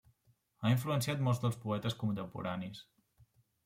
Ha influenciat molts dels poetes contemporanis.